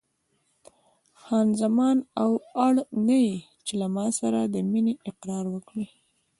خان زمان: او اړ نه یې چې له ما سره د مینې اقرار وکړې.